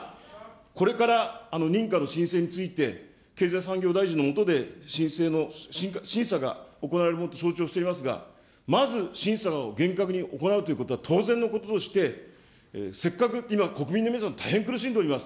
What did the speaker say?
これから認可の申請について、経済産業大臣の下で、申請の、審査が行われるものと承知をしておりますが、まず審査を厳格に行うということは当然のこととして、せっかく今、国民の皆さん、大変苦しんでおります。